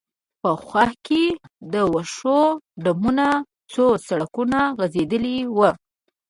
په خوا کې د وښو ډمونه، څو سړکونه غځېدلي و.